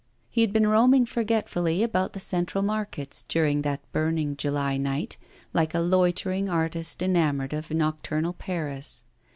He had been roaming forgetfully about the Central Markets, during that burning July night, like a loitering artist enamoured of nocturnal Paris.